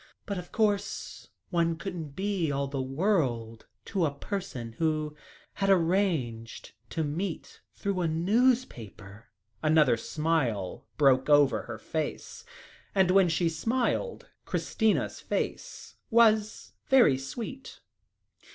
But of course one couldn't be all the world to a person one had arranged to meet through a newspaper." Another smile broke over her face, and when she smiled, Christina's face was very sweet.